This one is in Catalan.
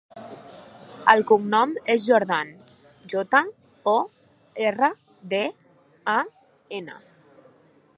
El cognom és Jordan: jota, o, erra, de, a, ena.